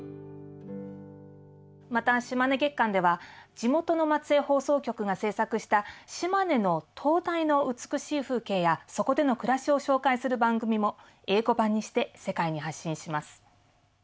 また「島根月間」では地元の松江放送局が制作した島根の灯台の美しい風景やそこでの暮らしを紹介する番組も英語版にして世界に発信します。